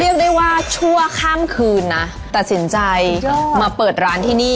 เรียกได้ว่าชั่วข้ามคืนนะตัดสินใจมาเปิดร้านที่นี่